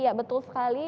ya betul sekali